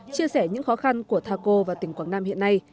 chia sẻ những khó khăn của tha cô và tỉnh quảng nam hiện nay